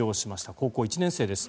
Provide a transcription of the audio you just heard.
高校１年生です。